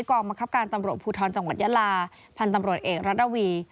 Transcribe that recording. กองบังคับการตำรวจภูทรจังหวัดยาลาพันธ์ตำรวจเอกรัฐวี